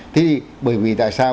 thế thì tại sao